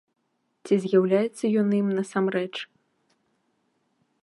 Ці з'яўляецца ён ім насамрэч?